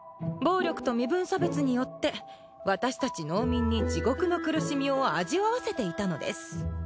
暴力と身分差別によって私たち農民に地獄の苦しみを味わわせていたのです。